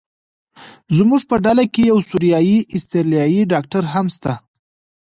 زموږ په ډله کې یو سوریایي استرالیایي ډاکټر هم شته.